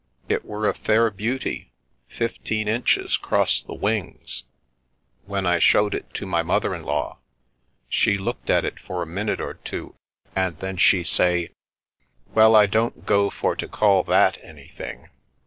It were a fair beauty, fifteen inches 'cross the wings. When I showed it to my mother in law she looked at it for a minute or two and then she say, ' Well, I don't go for to call that anything.